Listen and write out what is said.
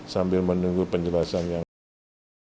sambil menunggu penjelasan yang akan datang